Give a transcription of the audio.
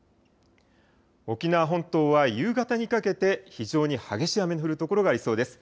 沖縄本島は夕方にかけて非常に激しい雨の降る所がありそうです。